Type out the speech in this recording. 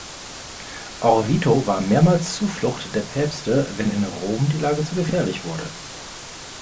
Orvieto war mehrmals Zuflucht der Päpste, wenn in Rom die Lage zu gefährlich wurde.